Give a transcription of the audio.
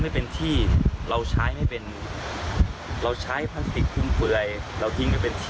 ให้เป็นที่เราใช้